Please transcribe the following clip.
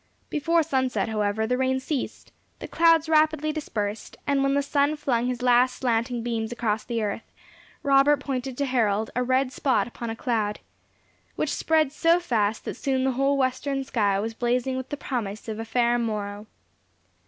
Before sunset, however, the rain ceased, the clouds rapidly dispersed, and when the sun flung his last slanting beams across the earth, Robert pointed to Harold a red spot upon a cloud, which spread so fast, that soon the whole western sky was blazing with the promise of a fair morrow.